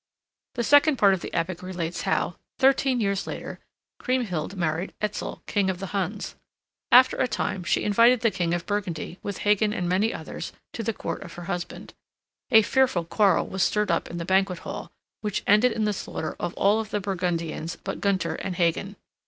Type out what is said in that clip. The second part of the epic relates how, thirteen years later, Kriemhild married Etzel, King of the Huns. After a time, she invited the King of Burgundy, with Hagan and many others, to the court of her husband. A fearful quarrel was stirred up in the banquet hall, which ended in the slaughter of all the Burgundians but Gunther and Hagan.